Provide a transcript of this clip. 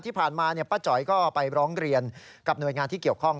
ที่ผ่านมาป้าจ๋อยก็ไปร้องเรียนกับหน่วยงานที่เกี่ยวข้อง